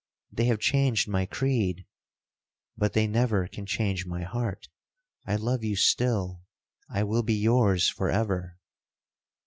They have changed my creed—but they never can change my heart. I love you still—I will be yours for ever!